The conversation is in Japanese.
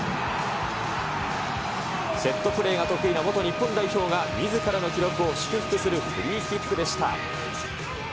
セットプレーが得意な元日本代表が、みずからの記録を祝福するフリーキックでした。